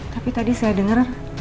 tapi tadi saya dengar